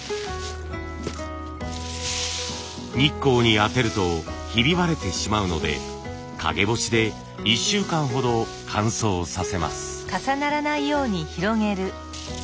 日光に当てるとひび割れてしまうので陰干しで１週間ほど乾燥させます。